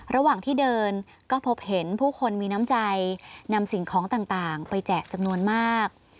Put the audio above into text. ระหว่างที่เดินก็พบเห็นผู้คนมีน้ำใจนำสิ่งของต่างไปแจกจำนวนมาก